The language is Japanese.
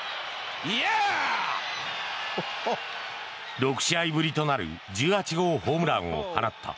６試合ぶりとなる１８号ホームランを放った。